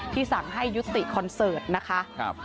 สั่งให้ยุติคอนเสิร์ตนะคะ